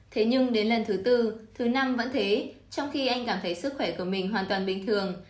thế nhưng đến lần thứ tư thứ năm vẫn thế trong khi anh cảm thấy sức khỏe của mình hoàn toàn bình thường